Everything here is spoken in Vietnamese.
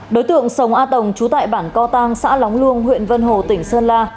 đối tượng sông a tồng trú tại bản co tăng xã lóng luông huyện vân hồ tỉnh sơn la